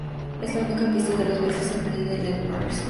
Es la única pista de los Beatles acreditada a Lennon y Harrison.